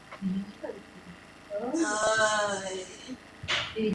Su reino fue desarrollado masivamente en torno a los dominios y sistema central.